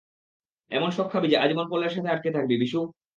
এমন শক খাবি যে, আজীবন পোলের সাথে আটকে থাকবি, বিশু।